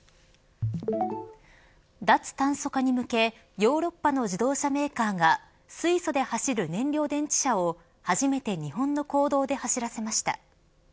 脱炭素化に向けヨーロッパの自動車メーカーが水素で走る燃料電池車を初めて日本の公道で走らせました。